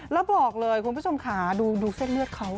แล้วบอกเลยคุณผู้ชมค่ะดูเส้นเลือดเขา